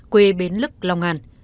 quê bến lức long an